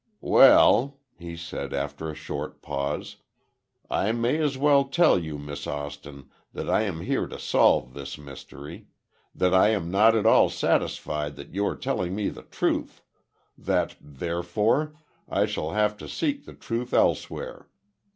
"Well," he said, after a short pause, "I may as well tell you, Miss Austin, that I am here to solve this mystery. That I am not at all satisfied that you are telling me the truth; that, therefore, I shall have to seek the truth elsewhere.